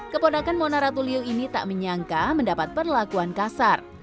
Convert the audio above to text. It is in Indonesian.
kepodakan mona ratuliu ini tak menyangka mendapat perlakuan kasar